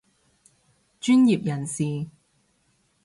專業人士